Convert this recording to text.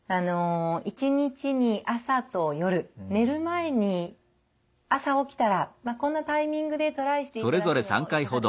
一日に朝と夜寝る前に朝起きたらこんなタイミングでトライしていただくのいかがでしょうか。